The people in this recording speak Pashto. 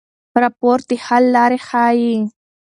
راپور د حل لارې ښيي.